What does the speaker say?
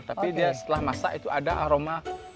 tapi dia setelah masak itu ada aroma